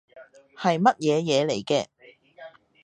係乜嘢嘢嚟嘅